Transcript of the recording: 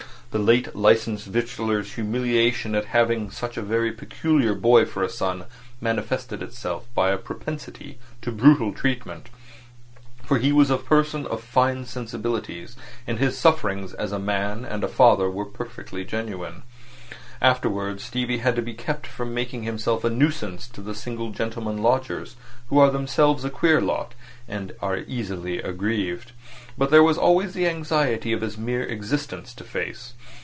The late licensed victualler's humiliation at having such a very peculiar boy for a son manifested itself by a propensity to brutal treatment; for he was a person of fine sensibilities, and his sufferings as a man and a father were perfectly genuine. Afterwards Stevie had to be kept from making himself a nuisance to the single gentlemen lodgers, who are themselves a queer lot, and are easily aggrieved. And there was always the anxiety of his mere existence to face.